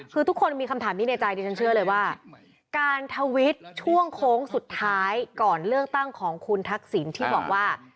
คือทุกคนมีคำถามนี้ในใจดิฉันเชื่อเลยว่าการทวิตช่วงโค้งสุดท้ายก่อนเลือกตั้งของคุณทักษิณที่บอกว่า